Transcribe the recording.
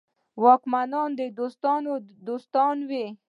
واکمنان د دوستانو دوستان وي.